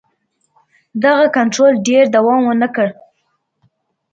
دغه کنټرول ډېر دوام ونه کړ.